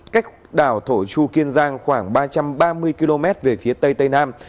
cách đảo thổ chu kiên giang khoảng ba trăm ba mươi km về phía tây tây nam